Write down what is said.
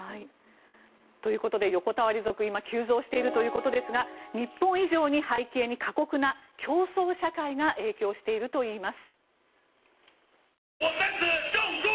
ということで横たわり族今急増しているということですが日本以上に背景に過酷な競争社会が影響しているといいます。